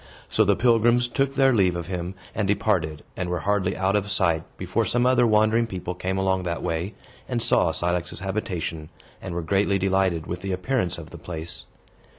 So the pilgrims took their leave of him, and departed, and were hardly out of sight before some other wandering people came along that way, and saw Cilix's habitation, and were greatly delighted with the appearance of the place.